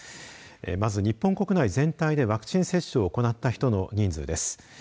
まず日本国内全体でワクチン接種を行った人の人数です。